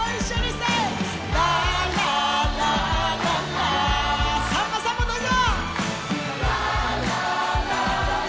さんまさんもどうぞ！